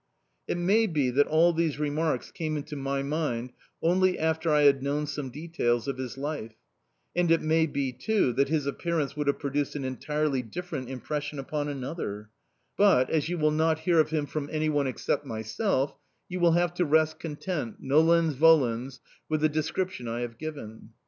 It may be that all these remarks came into my mind only after I had known some details of his life, and it may be, too, that his appearance would have produced an entirely different impression upon another; but, as you will not hear of him from anyone except myself, you will have to rest content, nolens volens, with the description I have given.